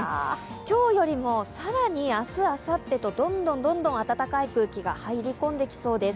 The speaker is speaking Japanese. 今日よりも更に明日、あさってとどんどんどんどん暖かい空気が入り込んできそうです。